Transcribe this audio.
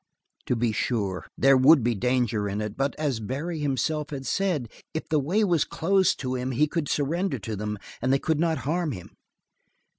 To be sure, there would be danger in it, but as Barry himself had said, if the way was closed to him he could surrender to them, and they could not harm him.